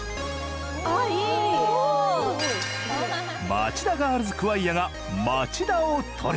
まちだガールズ・クワイアが町田を撮る！